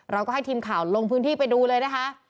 เราก็ให้ทีมข่าวลงพื้นที่ไปดูเลยนะคะ